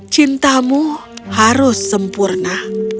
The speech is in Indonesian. cintamu harus sempurna